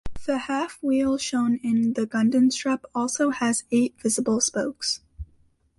The half-wheel shown in the Gundestrup also has eight visible spokes.